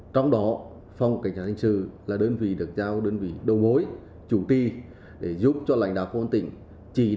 trong đó phòng cảnh sát hình sự là đơn vị được giao đơn vị đồng hối chủ ti để giúp cho lãnh đạo của tỉnh